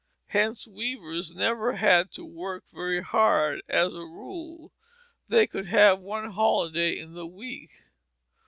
Hence weavers never had to work very hard; as a rule, they could have one holiday in the week.